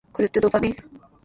これってドーパミン？